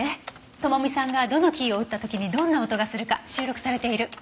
智美さんがどのキーを打った時にどんな音がするか収録されている。